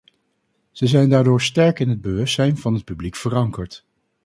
Zij zijn daardoor sterk in het bewustzijn van het publiek verankerd.